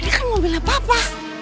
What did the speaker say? hah ini kan mobilnya papa